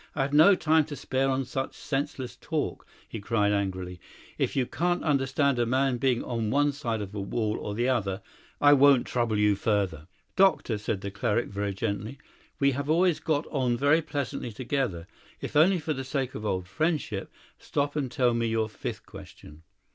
"I have no time to spare on such senseless talk," he cried angrily. "If you can't understand a man being on one side of a wall or the other, I won't trouble you further." "Doctor," said the cleric very gently, "we have always got on very pleasantly together. If only for the sake of old friendship, stop and tell me your fifth question."